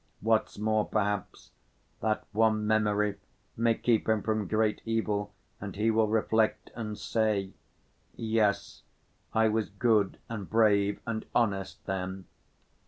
What's more, perhaps, that one memory may keep him from great evil and he will reflect and say, 'Yes, I was good and brave and honest then!